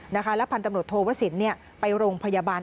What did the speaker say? และพันธุ์ตำรวจโทวสินไปโรงพยาบาล